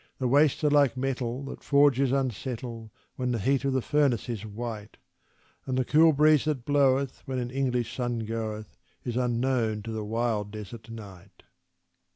The wastes are like metal that forges unsettle When the heat of the furnace is white; And the cool breeze that bloweth when an English sun goeth, Is unknown to the wild desert night.